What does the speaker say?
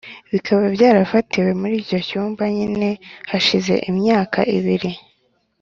bikaba byarafatiwe muri icyo cyumba nyine, hashize imyaka ibiri;